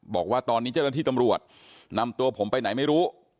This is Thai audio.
บอกว่าตอนนี้เจ้าหน้าที่ตำรวจนำตัวผมไปไหนไม่รู้